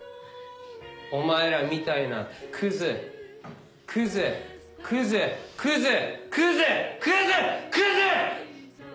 お前らみたいなクズクズクズクズクズクズクズ！